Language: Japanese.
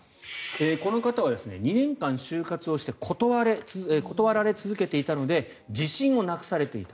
この方は２年間就活をして断られ続けていたので自信をなくされていた。